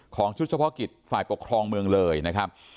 ของสมชุฆิตฟ่ายปกครองเมืองเลยนะครับ